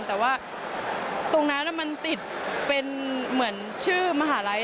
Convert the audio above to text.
แต่ว่าตรงนั้นมันติดเป็นเหมือนชื่อมหาลัย